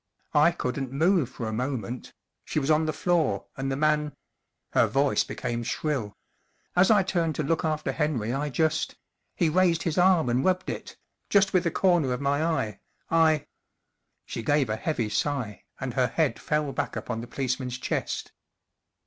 I couldn't move for a moment—she was on the floor, and the man ’* Her voice became shrill : 44 as I turned to look after Henry I just—he raised his arm and rubbed it—just with the comer of my eye—I " She gave a heavy sigh, and her head fell back upon the policeman's chest.